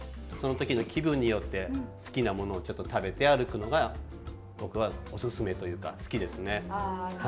そのときの気分によって好きなものを食べて歩くのが僕はおすすめというか好きですね。